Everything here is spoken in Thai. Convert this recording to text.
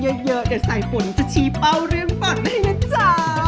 ยังเยอะเดี๋ยวสายผนจะชีเป่าเรื่องบอดให้นะจ๊ะ